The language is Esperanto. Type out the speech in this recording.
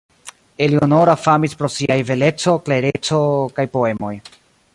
Eleonora famis pro siaj beleco, klereco kaj poemoj.